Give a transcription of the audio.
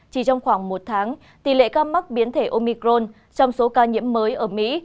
chỉ trong khoảng một tháng tỷ lệ ca mắc biến thể omicron trong số ca nhiễm mới ở mỹ